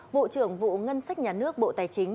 vụ trưởng vụ ngân sách nhà nước bộ thành hưng